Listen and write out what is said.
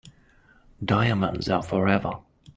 Diamonds are forever.